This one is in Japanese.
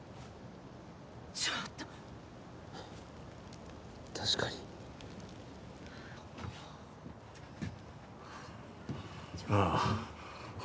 ちょっと確かになあ